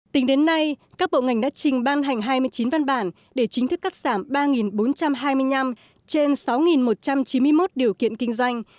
tính đến nay các bộ ngành đã trình ban hành hai mươi chín văn bản để chính thức cắt giảm ba bốn trăm hai mươi năm trên sáu một trăm chín mươi một điều kiện kinh doanh